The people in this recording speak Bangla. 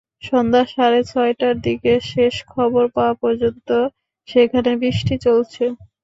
সন্ধ্যা সাড়ে ছয়টায় দিকে শেষ খবর পাওয়া পর্যন্ত সেখানে বৃষ্টি চলছে।